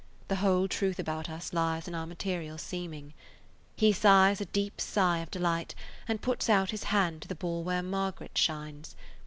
The whole truth about us lies in our material seeming. He sighs a deep sigh of delight and puts out his hand to the ball where Margaret shines.